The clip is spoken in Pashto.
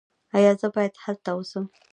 ایا زه باید هلته اوسم؟